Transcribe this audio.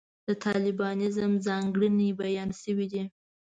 د طالبانیزم ځانګړنې بیان شوې دي.